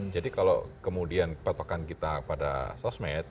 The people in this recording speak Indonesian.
jadi kalau kemudian kepatokan kita pada sosmed